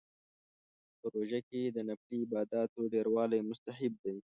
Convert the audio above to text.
په روژه کې د نفلي عباداتو ډیروالی مستحب دی